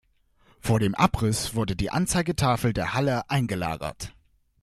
Vor dem Abriss wurde die Anzeigetafel der Halle eingelagert.